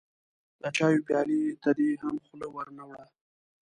د چايو پيالې ته دې هم خوله ور نه وړه.